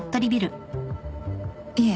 いえ。